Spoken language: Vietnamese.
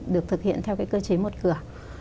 được thực hiện theo cái cơ chế một cửa